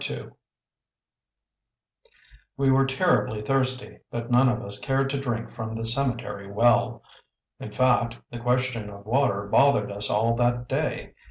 II We were terribly thirsty, but none of us cared to drink from the cemetery well; in fact, the question of water bothered us all that day.